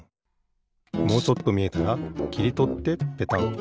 もうちょっとみえたらきりとってペタン。